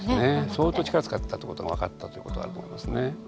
相当力使ってたってことが分かったということがあると思いますね。